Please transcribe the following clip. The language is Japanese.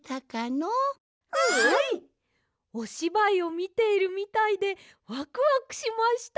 おしばいをみているみたいでワクワクしました！